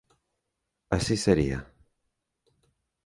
Así sería.